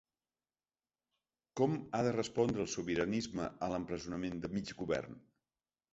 Com ha de respondre el sobiranisme a l’empresonament de mig govern?